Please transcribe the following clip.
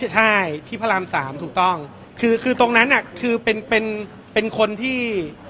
ใช่ที่พระรามสามถูกต้องคือคือตรงนั้นน่ะคือเป็นเป็นเป็นคนที่